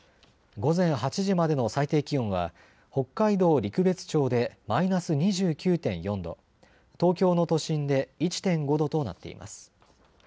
午前８時までの最低気温は北海道陸別町でマイナス２９．４度、東京の都心で１．５度となっています。